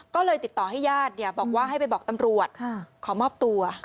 ก็เลยติดต่อให้ญาติบอกว่าให้ไปบอกตำรวจขอมอบตัว